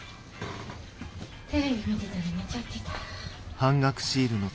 テレビ見てたら寝ちゃってた。